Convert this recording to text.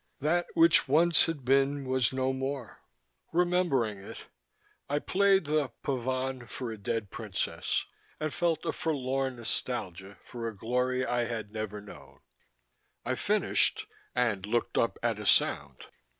That which once had been was no more; remembering it, I played the Pavane for a Dead Princess, and felt a forlorn nostalgia for a glory I had never known.... I finished and looked up at a sound.